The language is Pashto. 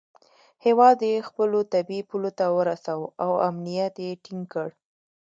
هیواد یې خپلو طبیعي پولو ته ورساوه او امنیت یې ټینګ کړ.